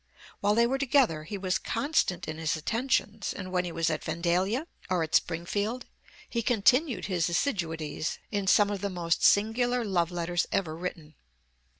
While they were together he was constant in his attentions, and when he was at Vandalia or at Springfield he continued his assiduities in some of the most singular love letters ever written.